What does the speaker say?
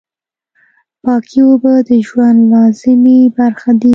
پاکې اوبه د ژوند لازمي برخه دي.